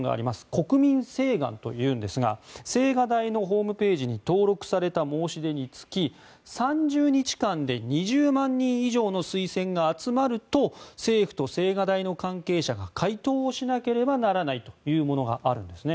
国民請願というんですが青瓦台のホームページに登録された申し出につき３０日間で２０万人以上の推薦が集まると政府と青瓦台の関係者が回答をしなければならないというものがあるんですね。